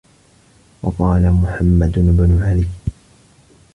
وَقَالَ مُحَمَّدُ بْنُ عَلِيٍّ